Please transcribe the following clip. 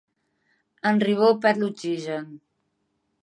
En Ribó perd l'oxigen.